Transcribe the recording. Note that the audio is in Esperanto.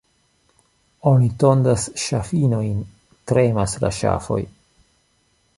Oni tondas ŝafinojn, — tremas la ŝafoj.